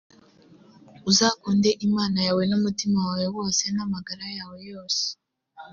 uzakunde imana yawe n’umutima wawe wose n’amagara yawe yose,